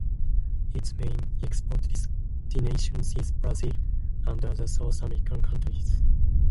Its main export destination is Brazil and other South American countries